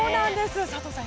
佐藤さん